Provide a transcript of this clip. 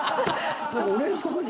俺の方に。